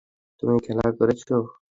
তুমি খেলা করছো?